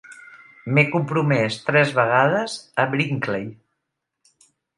M'he compromès tres vegades a Brinkley.